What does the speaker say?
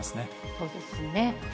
そうですね。